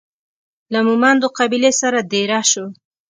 له مومندو قبیلې سره دېره سو.